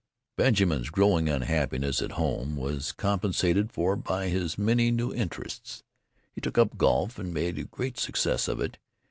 Benjamin's growing unhappiness at home was compensated for by his many new interests. He took up golf and made a great success of it.